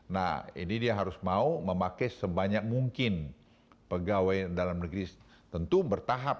nah ini dia harus mau memakai sebanyak mungkin pegawai dalam negeri tentu bertahap